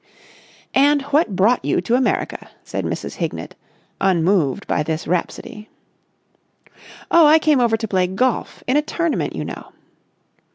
"And what brought you to America?" said Mrs. Hignett, unmoved by this rhapsody. "Oh, I came over to play golf. In a tournament, you know."